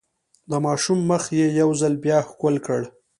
د ماشوم مخ يې يو ځل بيا ښکل کړ.